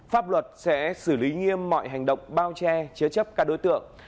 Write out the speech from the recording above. pháp luật sẽ xử lý nghiêm mọi hành động bao che chứa chấp các đối tượng